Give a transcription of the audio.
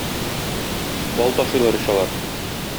Бал ташыйлар ич алар.